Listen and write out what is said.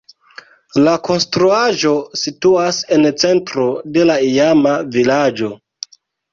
La konstruaĵo situas en centro de la iama vilaĝo.